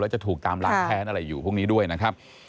แล้วจะถูกตามหลังแท้อะไรอยู่พรุ่งนี้ด้วยนะครับ